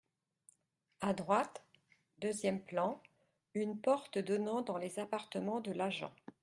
À droite, deuxième plan, une porte donnant dans les appartements de l’Agent.